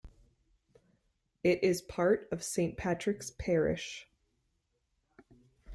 It is part of Saint Patrick's Parish.